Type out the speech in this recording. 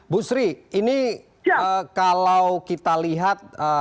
menteri ini kalau kita lihat